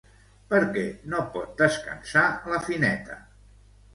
Per què no pot descansar la Fineta?